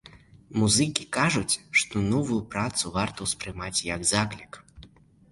Музыкі кажуць, што новую працу варта ўспрымаць як заклік.